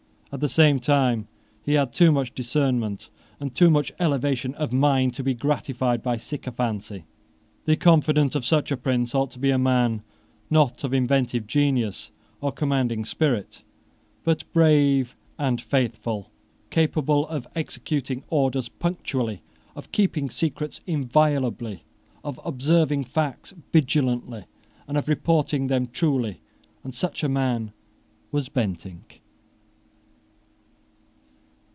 At the same time he had too much discernment, and too much elevation of mind, to be gratified by sycophancy. The confidant of such a prince ought to be a man, not of inventive genius or commanding spirit, but brave and faithful, capable of executing orders punctually, of keeping secrets inviolably, of observing facts vigilantly, and of reporting them truly; and such a man was Bentinck.